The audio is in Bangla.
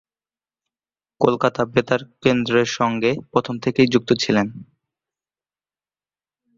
কলকাতা বেতার কেন্দ্রের সঙ্গে প্রথম থেকেই যুক্ত ছিলেন।